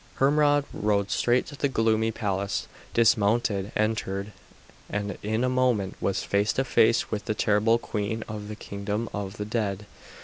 Hermod rode straight to the gloomy palace, dismounted, entered, and in a moment was face to face with the terrible queen of the kingdom of the dead.